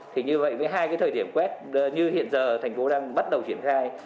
thì như vậy với hai cái thời điểm quét như hiện giờ tp hcm đang bắt đầu triển khai